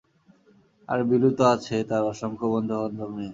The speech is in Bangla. আর বিলু তো আছে তার অসংখ্য বন্ধুবান্ধব নিয়ে।